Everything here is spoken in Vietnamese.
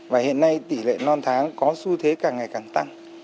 và hiện nay tỷ lệ non tháng có xu thế càng ngày càng tăng